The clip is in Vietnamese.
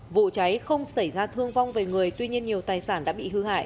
vụ cháy không xảy ra thương vong về người tuy nhiên nhiều tài sản đã bị hư hại